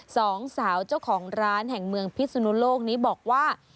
สองสาวเจ้าของร้านแห่งเมืองพิศนุโลกนี้บอกว่า